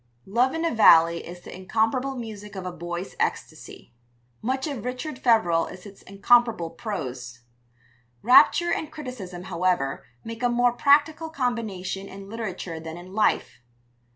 Love in a Valley is the incomparable music of a boy's ecstasy. Much of Richard Feverel is its incomparable prose. Rapture and criticism, however, make a more practical combination in literature than in life.